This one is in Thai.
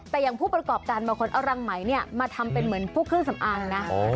แต่อย่างผู้ประกอบการบางคนเอารังไหมมาทำเป็นเหมือนพวกเครื่องสำอางนะ